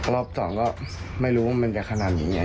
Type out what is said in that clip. รอบสองก็ไม่รู้ว่ามันจะขนาดนี้ไง